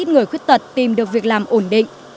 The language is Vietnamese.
người khuất tật tìm được việc làm ổn định